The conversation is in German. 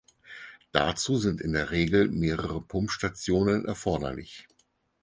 Dazu sind in der Regel mehrere Pumpstationen erforderlich.